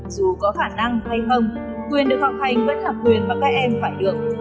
dù có khả năng hay không quyền được học hành vẫn là quyền mà các em phải được